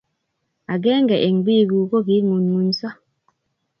Agennge eng biik ug ko kiingunynyuso